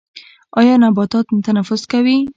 ایا نباتات تنفس کوي؟